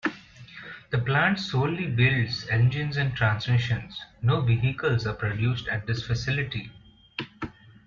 The plant solely builds engines and transmissions; no vehicles are produced at this facility.